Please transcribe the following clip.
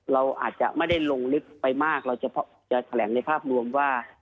เราอาจจะไม่ได้ลงลึกไปมากเราจะแถลงในภาพรวมว่า